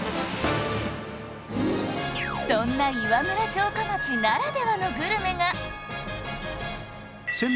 そんな岩村城下町ならではのグルメが